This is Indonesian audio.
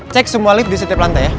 cek semua lift di setiap lantai ya